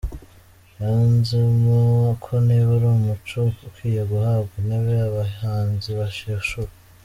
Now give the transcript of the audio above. Yunzemo ko niba ari umuco ukwiye guhabwa intebe, abahanzi bashishura